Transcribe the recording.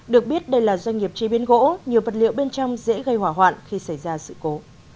được biết đây là doanh nghiệp chế biến gỗ nhiều vật liệu bên trong dễ gây hỏa hoạn khi xảy ra sự cố